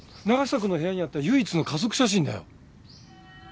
永久くんの部屋にあった唯一の家族写真だよ。